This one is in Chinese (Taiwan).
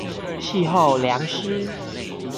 氣候涼溼